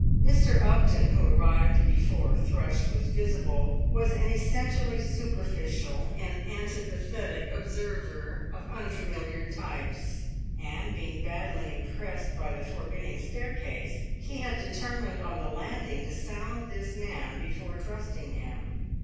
Mr. Upton, who arrived before Thrush was visible, was an essentially superficial and antipathetic observer of unfamiliar types; and being badly impressed by the forbidding staircase, he had determined on the landing to sound his man before trusting him.